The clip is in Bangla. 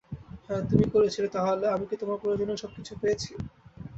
হ্যা তুমিই করেছিলে তাহলে, আমি কি আমার প্রয়োজনীয় সবকিছু পেয়েছি?